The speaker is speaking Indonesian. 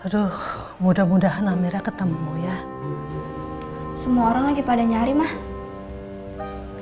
aduh mudah mudahan amera ketemu ya semua orang lagi pada nyari mah